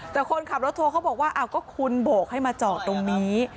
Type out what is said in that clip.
แต่คนขับรถทัวร์เขาบอกว่าก็คุณโบกให้มาจอดตรงนี้